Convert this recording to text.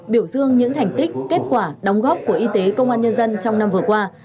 biểu dương những thành tích kết quả đóng góp của y tế công an nhân dân trong năm vừa qua